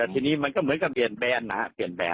ที่นี่ก็เหมือนกับเปลี่ยนแบนนะฮะ